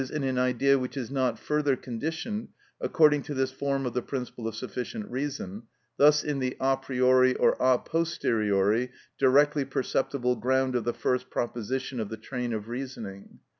_, in an idea which is not further conditioned according to this form of the principle of sufficient reason, thus in the a priori or a posteriori directly perceptible ground of the first proposition of the train of reasoning.